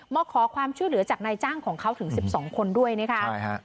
มาขอความช่วยเหลือจากนายจ้างของเขาถึง๑๒คนด้วยนะคะ